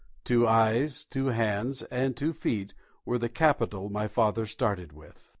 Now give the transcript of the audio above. Two eyes, two hands, and two feet were the capital my father started with.